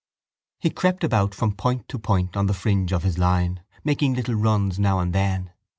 He crept about from point to point on the fringe of his line, making little runs now and then.